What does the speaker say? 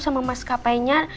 sama mas kapainya